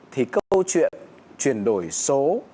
thì câu chuyện chuyển đổi số